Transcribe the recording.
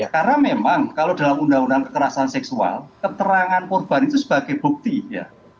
karena memang kalau dalam undang undang kekerasan seksual keterangan korban itu sebagai bukti ya